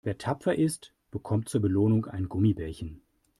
Wer tapfer ist, bekommt zur Belohnung ein Gummibärchen.